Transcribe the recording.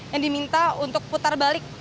yang diminta untuk putar balik